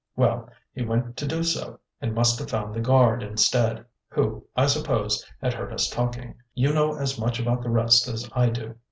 Well, he went to do so, and must have found the guard instead, who, I suppose, had heard us talking. You know as much about the rest as I do.